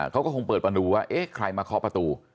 เขาก็คงเปิดประตูว่าเอ๊ะใครมาเคาะประตู